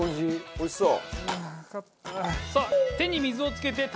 おいしそう！